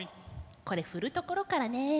これ振るところからね。